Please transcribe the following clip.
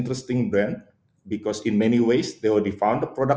karena dalam banyak cara mereka sudah menemukan fitur pasar produk